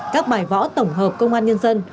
các bài võ tổng hợp công an nhân dân